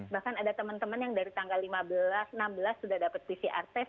bahkan ada teman teman yang dari tanggal lima belas enam belas sudah dapat pcr test